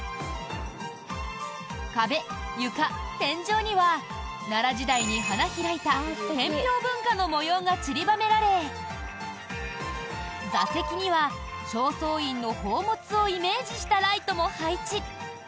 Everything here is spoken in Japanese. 壁、床、天井には奈良時代に花開いた天平文化の模様が散りばめられ座席には正倉院の宝物をイメージしたライトも配置。